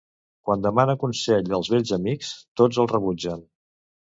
Quan demana consell als vells amics, tots el rebutgen.